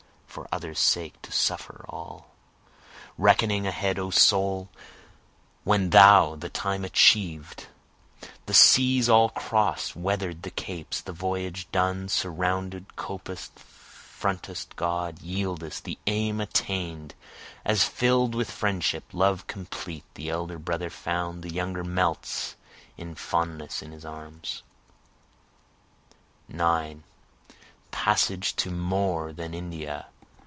For others' sake to suffer all? Reckoning ahead O soul, when thou, the time achiev'd, The seas all cross'd, weather'd the capes, the voyage done, Surrounded, copest, frontest God, yieldest, the aim attain'd, As fill'd with friendship, love complete, the Elder Brother found, The Younger melts in fondness in his arms. 9 Passage to more than India!